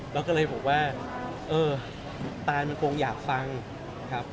แล้วก็เลยบอกว่าเออตานมันคงอยากฟังครับ